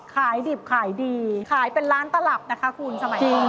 ขายดิบขายดีขายเป็นล้านตลับนะคะคุณสมัยนี้